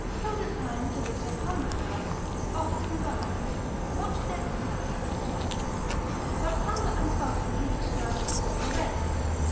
Hildesheim, spicel. 2. to this of hunger, adds, often baths, much exercise and sweat, but hunger and fasting he prescribes before the rest.